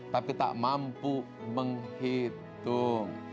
tapi tak mampu menghitung